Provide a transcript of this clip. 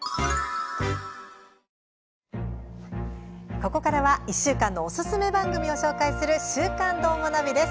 ここからは１週間のおすすめ番組を紹介する「週刊どーもナビ」です。